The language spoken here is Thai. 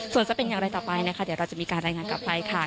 ส่วนจะเป็นอย่างไรต่อไปนะคะเดี๋ยวเราจะมีการรายงานกลับไปค่ะ